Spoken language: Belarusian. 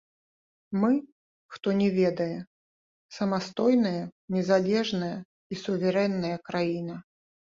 Мы, хто не ведае, самастойная незалежная і суверэнная краіна.